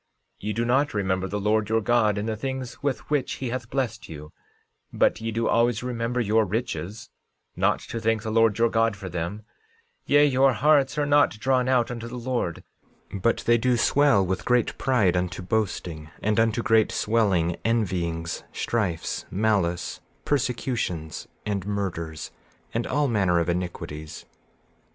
13:22 Ye do not remember the Lord your God in the things with which he hath blessed you, but ye do always remember your riches, not to thank the Lord your God for them; yea, your hearts are not drawn out unto the Lord, but they do swell with great pride, unto boasting, and unto great swelling, envyings, strifes, malice, persecutions and murders, and all manner of iniquities.